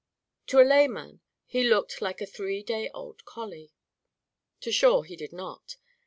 To a layman, he looked like any three day old collie. To Shawe he did not.